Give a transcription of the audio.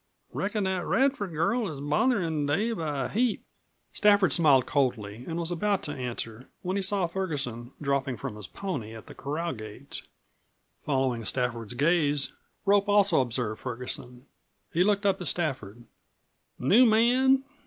"Reckon that Radford girl is botherin' Dave a heap." Stafford smiled coldly and was about to answer when he saw Ferguson dropping from his pony at the corral gate. Following Stafford's gaze, Rope also observed Ferguson. He looked up at Stafford. "New man?"